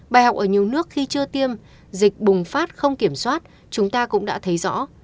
bài học ở nhiều nước khi chưa tiêm dịch bùng phát không kiểm soát chúng ta cũng đã thấy rõ